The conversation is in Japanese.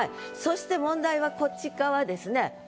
そして問題はこっち側ですね。